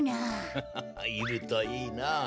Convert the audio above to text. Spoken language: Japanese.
ハハハいるといいなあ。